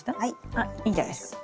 あっいいんじゃないですか。